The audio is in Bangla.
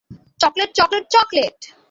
Chocolate, chocolate, chocolate!